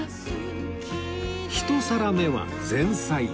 １皿目は前菜